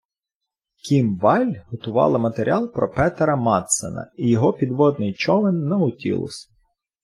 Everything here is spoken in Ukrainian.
Кім Валль готувала матеріал про Петера Мадсена і його підводний човен Наутілус.